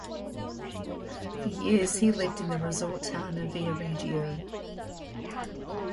For years, he lived in the resort town of Viareggio.